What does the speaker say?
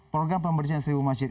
program pembersihan seribu masjid